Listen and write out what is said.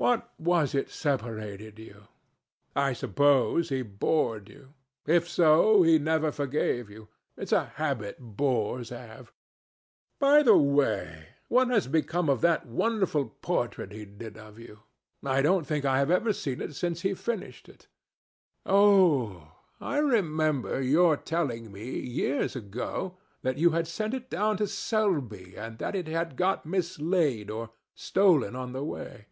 What was it separated you? I suppose he bored you. If so, he never forgave you. It's a habit bores have. By the way, what has become of that wonderful portrait he did of you? I don't think I have ever seen it since he finished it. Oh! I remember your telling me years ago that you had sent it down to Selby, and that it had got mislaid or stolen on the way.